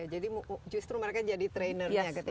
jadi justru mereka jadi trainer nya ketika pulang